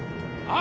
あ